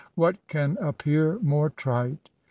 What can appear more trite?